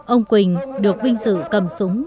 ông quỳnh được vinh sự cầm súng